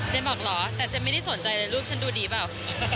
บอกเหรอแต่เจนไม่ได้สนใจเลยรูปฉันดูดีเปล่า